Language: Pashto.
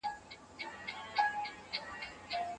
کمپيوټر فايل انتقالوي.